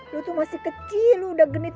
lo tuh masih kecil lo udah genit